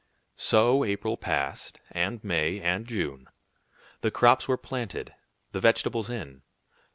So April passed, and May and June. The crops were planted, the vegetables in.